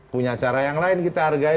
punya cara yang lain kita hargai